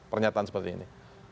pernyataan seperti ini